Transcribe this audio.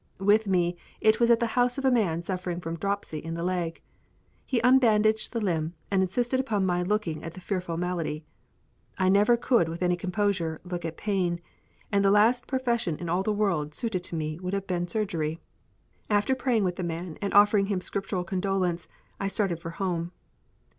With me it was at the house of a man suffering from dropsy in the leg. He unbandaged the limb and insisted upon my looking at the fearful malady. I never could with any composure look at pain, and the last profession in all the world suited to me would have been surgery. After praying with the man and offering him Scriptural condolence, I started for home.